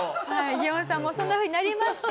ギオンさんもそんなふうになりまして。